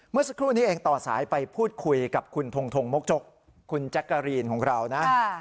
เมื่อสักครู่นี้เองต่อสายไปพูดคุยกับคุณทงทงมกจกคุณแจ๊กกะรีนของเรานะ